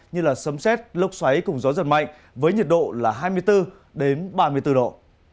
như sấm xét lốc xoáy cùng gió giật mạnh với nhiệt độ là hai mươi bốn ba mươi bốn độ